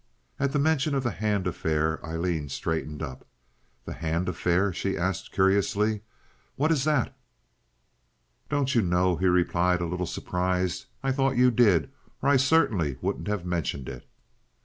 At the mention of the Hand affair Aileen straightened up. "The Hand affair?" she asked, curiously. "What is that?" "Don't you know?" he replied, a little surprised. "I thought you did, or I certainly wouldn't have mentioned it."